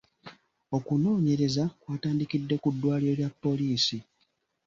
Okunoonyereza kwatandikidde ku ddwaliro lya poliisi.